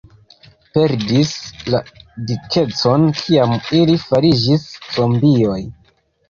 ... perdis la dikecon kiam ili fariĝis zombioj.